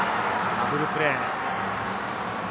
ダブルプレー。